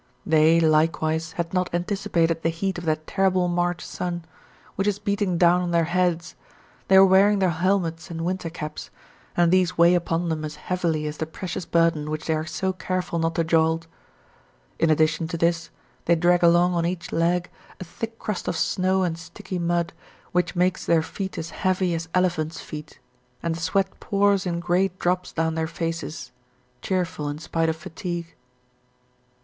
They, likewise, had not anticipated the heat of that terrible March sun, which is beating down on their heads; they are wearing their helmets and winter caps, and these weigh upon them as heavily as the precious burden which they are so careful not to jolt. In addition to this they drag along on each leg a thick crust of snow and sticky mud, which makes their feet as heavy as elephants' feet, and the sweat pours in great drops down their faces, cheerful in spite of fatigue.